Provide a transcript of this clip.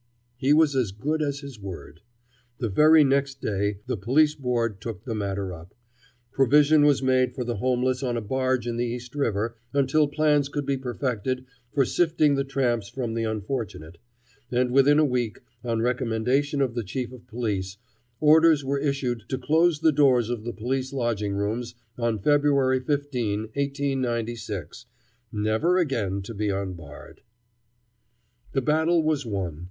He was as good as his word. The very next day the Police Board took the matter up. Provision was made for the homeless on a barge in the East River until plans could be perfected for sifting the tramps from the unfortunate; and within a week, on recommendation of the Chief of Police, orders were issued to close the doors of the police lodging rooms on February 15, 1896, never again to be unbarred. The battle was won.